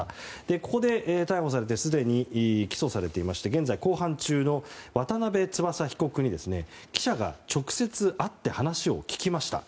ここで逮捕されてすでに起訴されていまして現在、公判中の渡邉翼被告に記者が直接会って話を聞きました。